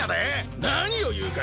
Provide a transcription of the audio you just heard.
何を言うか！